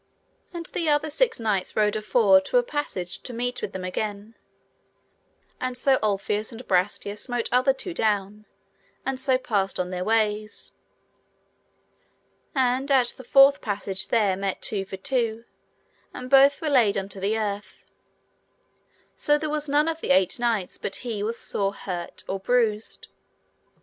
And the other six knights rode afore to a passage to meet with them again, and so Ulfius and Brastias smote other two down, and so passed on their ways. And at the fourth passage there met two for two, and both were laid unto the earth; so there was none of the eight knights but he was sore hurt or bruised.